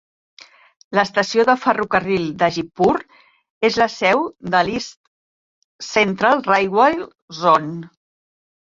L'estació de ferrocarril d'Hajipur és la seu de l'East Central Railway Zone.